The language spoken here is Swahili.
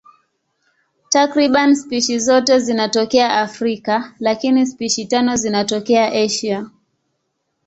Takriban spishi zote zinatokea Afrika, lakini spishi tano zinatokea Asia.